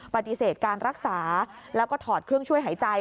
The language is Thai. ปฏิเสธการรักษาแล้วก็ถอดเครื่องช่วยหายใจ